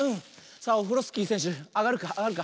さあオフロスキーせんしゅあがるかあがるか。